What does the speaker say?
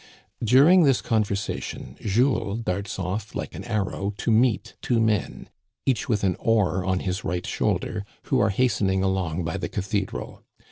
During this conversation Jules darts off like an arrow to meet two men, each with an oar on his right shoulder, who are hastening along by the cathedral.